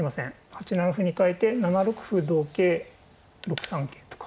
８七歩にかえて７六歩同桂６三桂とか。